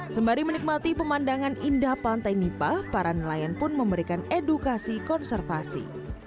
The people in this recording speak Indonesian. sembari menikmati pemandangan indah pantai nipah para nelayan pun memberikan edukasi konservasi